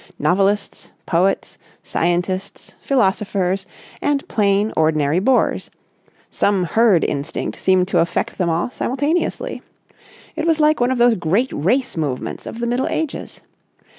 Novelists, poets, scientists, philosophers, and plain, ordinary bores; some herd instinct seemed to affect them all simultaneously. It was like one of those great race movements of the Middle Ages.